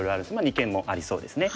二間もありそうですね。